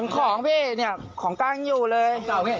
ของพี่เนี่ยของกลางยังอยู่เลย